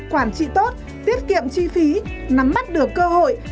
quản trị tốt tiết kiệm chi phí nắm mắt được cơ hội